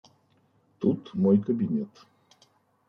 Тут мой кабинет.